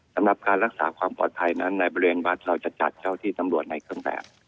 สำหรับการรักษาความปลอดภัยนั้นในบริเวณวัดเราจะจัดเจ้าที่ตำรวจในเครื่องแบบ